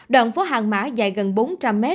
đoạn phố hàng mã dài gần bốn trăm linh m